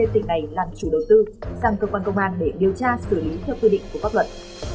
tỉnh này làm chủ đầu tư sang cơ quan công an để điều tra xử lý theo quy định của pháp luật